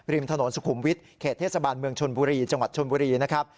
ถนนสุขุมวิทย์เขตเทศบาลเมืองชนบุรีจังหวัดชนบุรีนะครับ